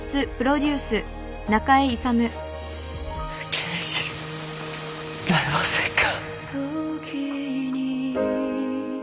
刑事になれませんか？